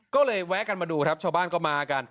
ก็เลยแวะกันมาดูครับชาวบ้านก็มากัน